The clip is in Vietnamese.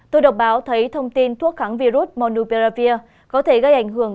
tôi đọc báo thấy thông tin thuốc kháng virus monupiravir có thể gây ảnh hưởng